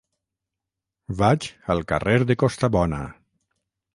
Vaig al carrer de Costabona.